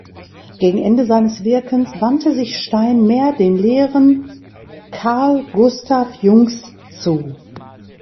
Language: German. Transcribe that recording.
Gegen Ende seines Wirkens wandte sich Stein mehr den Lehren Carl Gustav Jungs zu.